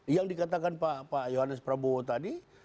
yang dikatakan pak yohanes prabowo tadi